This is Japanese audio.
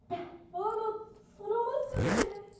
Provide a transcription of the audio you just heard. あのそのマスクって。